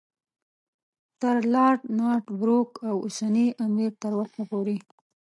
تر لارډ نارت بروک او اوسني امیر تر وخته پورې.